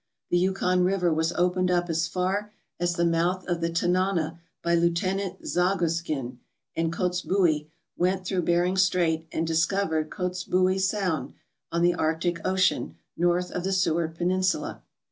The Yukon River was opened up as far as the mouth of the Tanana by Lieuten ant Zagoskin, and Kotzebue went through Bering Strait and discovered Kotzebue Sound on the Arctic Ocean north of the Seward Peninsula.